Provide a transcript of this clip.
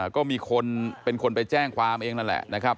ก็มีคนเป็นคนไปแจ้งความเองนั่นแหละนะครับ